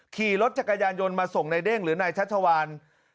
ขี่รถจักรยานยนต์มาส่งในเด้งหรือนายชัชวาน